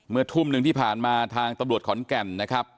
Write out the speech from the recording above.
ทุ่มหนึ่งที่ผ่านมาทางตำรวจขอนแก่นนะครับ